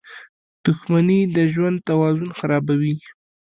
• دښمني د ژوند توازن خرابوي.